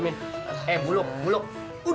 ampun ampun ampun ampun